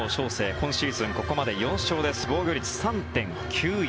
今シーズン、ここまで４勝で防御率３．９４。